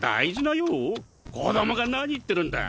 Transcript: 子どもが何言ってるんだ。